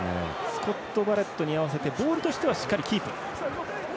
スコット・バレットに合わせてボールとしてはしっかりキープ。